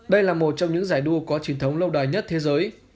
đây là một trong những giải đua có truyền thống lâu đời nhất thế giới